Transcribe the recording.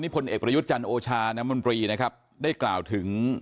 ประกาศน้ำมนตรีนะครับได้กล่าวถึง